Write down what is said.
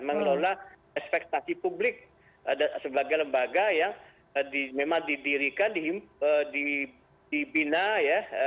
mengelola ekspektasi publik sebagai lembaga yang memang didirikan dibina ya